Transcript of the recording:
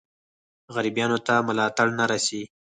غریبانو ته ملاتړ نه رسي.